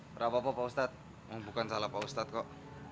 tidak apa apa pak ustadz bukan salah pak ustadz kok